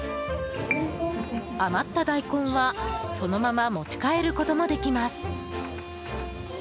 余った大根はそのまま持ち帰ることもできます。